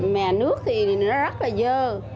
mè nước thì nó rất là dơ